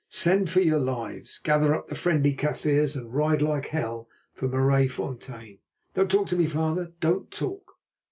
Send, for your lives; gather up the friendly Kaffirs and ride like hell for Maraisfontein. Don't talk to me, father; don't talk!